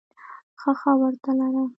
ښه ښه ورته لره !